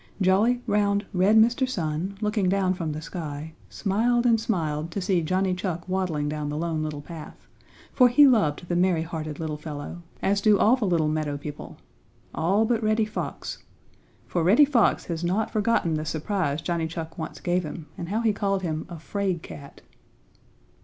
Jolly, round, red Mr. Sun, looking down from the sky, smiled and smiled to see Johnny Chuck waddling down the Lone Little Path, for he loved the merry hearted little fellow, as do all the little meadow people all but Reddy Fox, for Reddy Fox has not forgotten the surprise Johnny Chuck once gave him and how he called him a "'fraid cat."